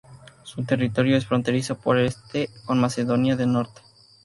Su territorio es fronterizo por el este con Macedonia del Norte.